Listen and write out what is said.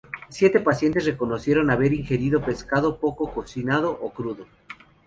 Siete pacientes reconocieron haber ingerido pescado poco cocinado, o crudo.